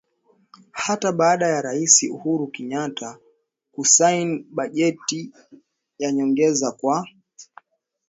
Hata baada ya Raisi Uhuru Kenyatta kusaini bajeti ya nyongeza kwa